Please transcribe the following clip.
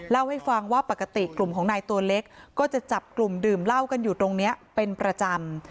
เล่าให้ฟังว่าปกติกลุ่มของนายตัวเล็กก็จะจับกลุ่มดื่มเหล้ากันอยู่ตรงนี้เป็นประจำ